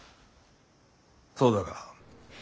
そうだが。